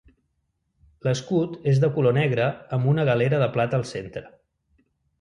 L'escut és de color negre amb una galera de plata al centre.